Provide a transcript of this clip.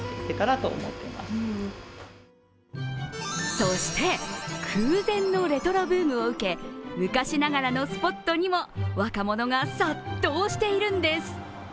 そして空前のレトロブームを受け、昔ながらのスポットにも若者が殺到しているんです。